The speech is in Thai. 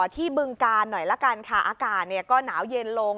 บึงกาลหน่อยละกันค่ะอากาศก็หนาวเย็นลง